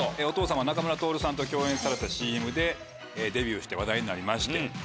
お父様仲村トオルさんと共演されたＣＭでデビューして話題になりまして。